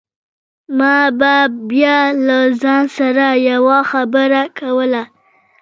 ما به بيا له ځان سره يوه خبره کوله.